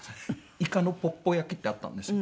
いかのぽっぽ焼きってあったんですよ。